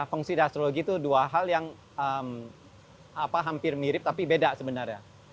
feng shui dan astrologi itu dua hal yang hampir mirip tapi beda sebenarnya